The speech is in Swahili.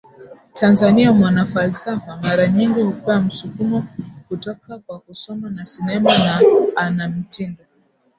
Tanzania MwanaFalsafa mara nyingi hupewa msukumo kutoka kwa kusoma na sinema na ana mtindo